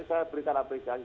saya berikan apresiasi